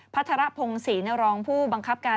พัฒระพงศ์ศรีนรองผู้บังคับการ